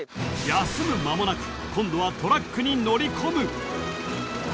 ［休む間もなく今度はトラックに乗り込む］